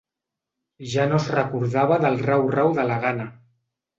Ja no es recordava del rau-rau de la gana.